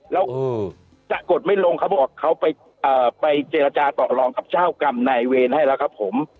แล้วจะกดไม่ลงเขาบอกเขาไปเจรจาต่อรองกับเจ้ากรรมนายเวรให้แล้วครับผม